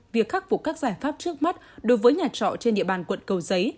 việc khắc phục các giải pháp trước mắt đối với nhà trọ trên địa bàn quận cầu giấy